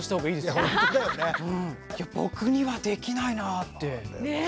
僕にはできないなぁって。ね！